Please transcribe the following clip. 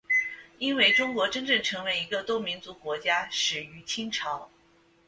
因为中国真正成为一个多民族国家始于清朝。